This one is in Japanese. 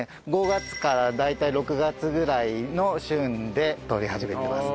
５月から大体６月ぐらいの旬で取り始めてます。